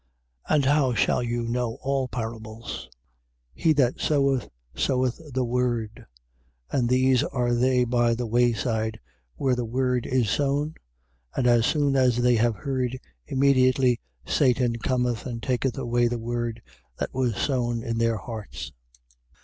and how shall you know all parables? 4:14. He that soweth, soweth the word. 4:15. And these are they by the way side, where the word is sown, and as soon as they have heard, immediately Satan cometh and taketh away the word that was sown in their hearts.